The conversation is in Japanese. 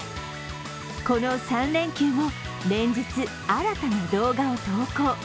この３連休も連日、新たな動画を投稿。